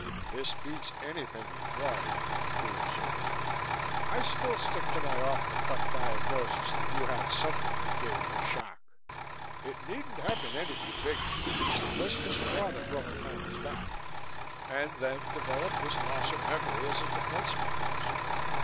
"This beats anything in Freud," he observed. "I still stick to my off the cuff diagnosis that you had something that gave you a shock it needn't have been anything big, you know; just a straw that broke the camel's back and then developed this loss of memory as a defense mechanism.